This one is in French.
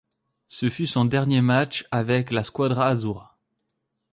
Ce fut son dernier match avec la Squadra Azzurra.